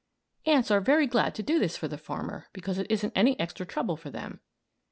] Ants are very glad to do this for the farmer because it isn't any extra trouble for them.